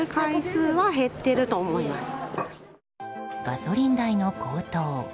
ガソリン代の高騰。